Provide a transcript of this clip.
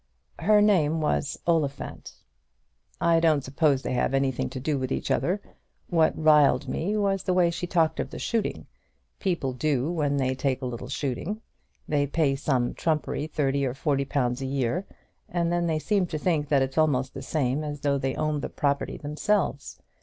"Her name was Oliphant." "I don't suppose they have anything to do with each other. What riled me was the way she talked of the shooting. People do when they take a little shooting. They pay some trumpery thirty or forty pounds a year, and then they seem to think that it's almost the same as though they owned the property themselves.